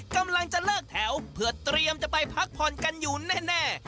กำลังจะเลิกแถวเพื่อเตรียมจะไปพักผ่อนกันอยู่แน่